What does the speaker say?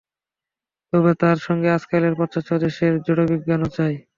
তবে তার সঙ্গে আজকালের পাশ্চাত্য দেশের জড়বিজ্ঞানও চাই।